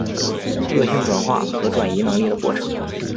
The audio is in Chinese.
恶性转化和转移能力的过程。